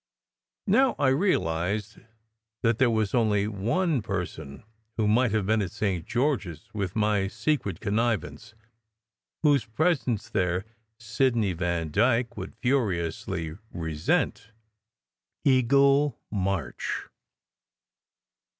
Now I realized that there was only one person who might have been at St. George s with my secret connivance, whose presence there Sidney Vandyke would furiously resent: Eagle March.